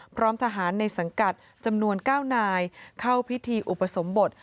พร้อมทหารในสังกัดจำนวน๙นายเข้าพิธีอุปสมบท